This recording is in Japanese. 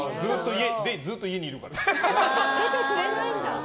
で、ずっと家にいるから。